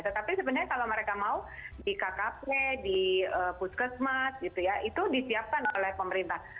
tetapi sebenarnya kalau mereka mau di kkp di puskesmas gitu ya itu disiapkan oleh pemerintah